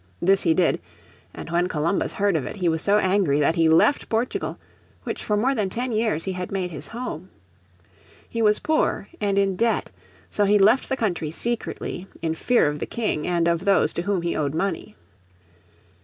This he did, and when Columbus heard of it he was so angry that he left Portugal, which for more than ten years he had made his home. He was poor and in debt, so he left the country secretly, in fear of the King, and of those to whom he owed money.